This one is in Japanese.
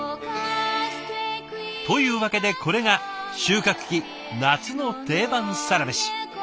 というわけでこれが収穫期夏の定番サラメシ。